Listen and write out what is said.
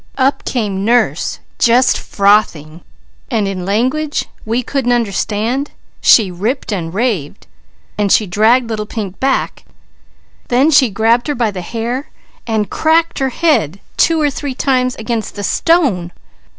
Up came nurse just frothing, and in language we couldn't understand she ripped and raved. She dragged little pink back, grabbed her by the hair and cracked her head two or three times against the _stone!